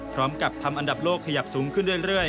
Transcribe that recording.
พร้อมกับทำอันดับโลกขยับสูงขึ้นเรื่อย